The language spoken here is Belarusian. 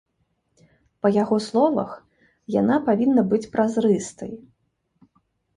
Па яго словах, яна павінна быць празрыстай.